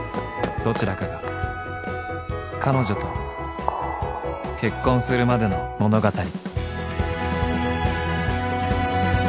［どちらかが彼女と結婚するまでの物語］